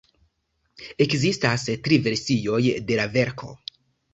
Ekzistas tri versioj de la verko.